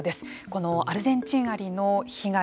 このアルゼンチンアリの被害